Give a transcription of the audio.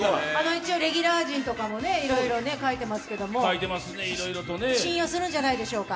一応レギュラー陣とかもいろいろ書いていますけども、信用するんじゃないでしょうか。